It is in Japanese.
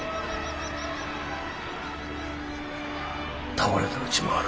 倒れたうちもある。